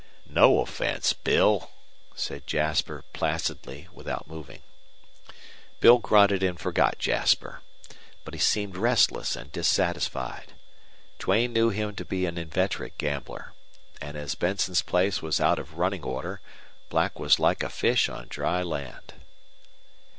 "No offense, Bill," said Jasper, placidly, without moving. Bill grunted and forgot Jasper. But he seemed restless and dissatisfied. Duane knew him to be an inveterate gambler. And as Benson's place was out of running order, Black was like a fish on dry land.